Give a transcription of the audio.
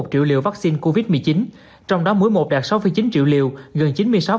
một triệu liều vaccine covid một mươi chín trong đó mỗi một đạt sáu chín triệu liều gần chín mươi sáu